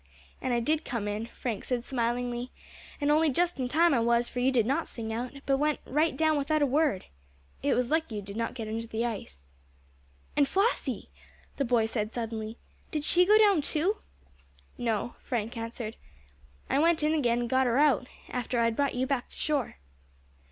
"And I did come in," Frank said smilingly, "and only just in time I was, for you did not sing out, but went right down without a word. It was lucky you did not get under the ice." "And Flossy," the boy said suddenly, "did she go down too?" "No," Frank answered, "I went in again and got her out, after I had brought you back to shore."